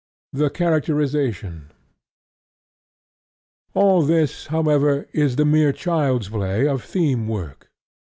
THE CHARACTERIZATION All this, however, is the mere child's play of theme work.